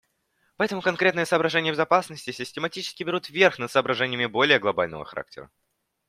Поэтому конкретные соображения безопасности систематически берут вверх над соображениями более глобального характера.